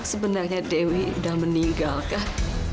sebenarnya dewi udah meninggalkan